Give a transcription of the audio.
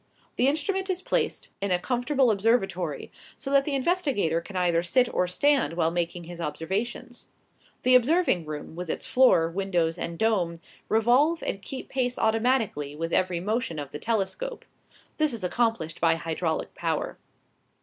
The instrument is placed in a comfortable observatory, so that the investigator can either sit or stand while making his observations. "The observing room, with its floor, windows, and dome, revolve and keep pace automatically with every motion of the telescope." This is accomplished by hydraulic power.